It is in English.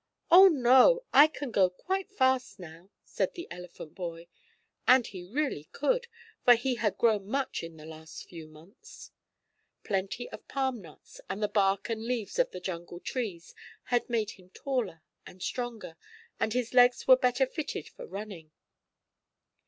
"Oh, no. I can go quite fast now," said the elephant boy, and he really could, for he had grown much in the last few months. Plenty of palm nuts and the bark and leaves of the jungle trees had made him taller and stronger, and his legs were better fitted for running.